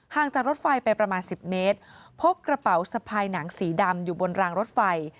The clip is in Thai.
จากรถไฟไปประมาณ๑๐เมตรพบกระเป๋าสะพายหนังสีดำอยู่บนรางรถไฟ